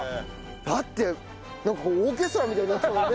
だってなんかこうオーケストラみたいになってたもんね。